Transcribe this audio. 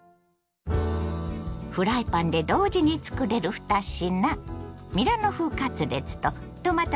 フライパンで同時につくれる２品。